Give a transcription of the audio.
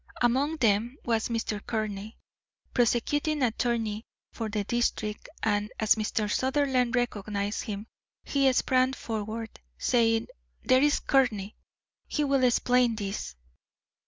Among them was Mr. Courtney, Prosecuting Attorney for the district, and as Mr. Sutherland recognised him he sprang forward, saying, "There's Courtney; he will explain this."